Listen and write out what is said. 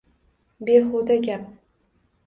Behuda gap!